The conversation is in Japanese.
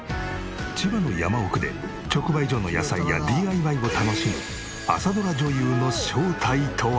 千葉の山奥で直売所の野菜やＤＩＹを楽しむ朝ドラ女優の正体とは？